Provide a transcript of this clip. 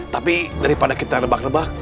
tapi daripada kita rebak nebak